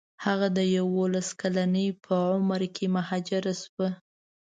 هغه د یوولس کلنۍ په عمر کې مهاجره شوه.